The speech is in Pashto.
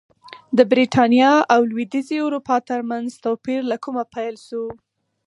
د برېټانیا او لوېدیځې اروپا ترمنځ توپیر له کومه پیل شو